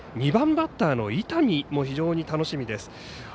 ２番バッターの伊丹も非常に楽しみです。